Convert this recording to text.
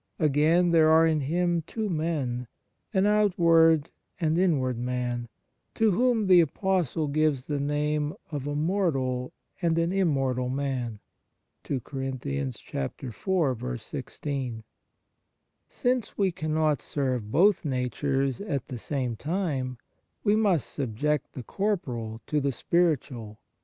Again, there are in him two men, an out ward and inward man, to whom the Apostle gives the name of " a mortal and an immortal man." 2 Since we cannot serve both natures at the same time, we must subject the corporal to the spiritual.